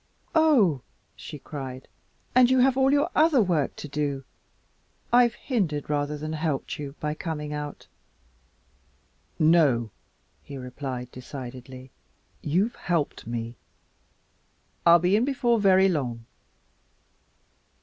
"Oh!" she cried, "and you have all your other work to do. I've hindered rather than helped you by coming out." "No," he replied decidedly, "you've helped me. I'll be in before very long."